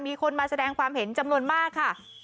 มีคนมาแสดงความเห็นจำนวนมากค่ะ